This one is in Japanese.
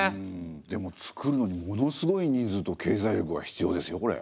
でもつくるのにものすごい人数と経済力が必要ですよこれ。